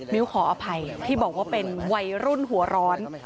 ้วขออภัยที่บอกว่าเป็นวัยรุ่นหัวร้อน